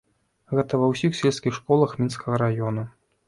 Гэта ва ўсіх сельскіх школах мінскага раёну.